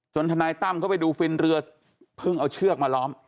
ทนายตั้มเข้าไปดูฟินเรือเพิ่งเอาเชือกมาล้อม